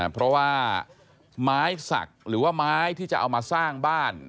เพราะว่าไม้สักหรือว่าไม้ที่จะเอามาสร้างบ้าน